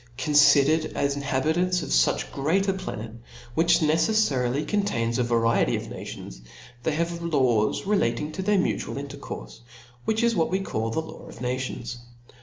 Confidered as inhabitants of fo great a planet, which neceffarily contains a variety of na tions, they have laws relative to their mutual intcr courfe, which is what we call the law of nations.